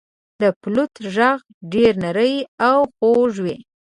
• د فلوت ږغ ډېر نری او خوږ وي.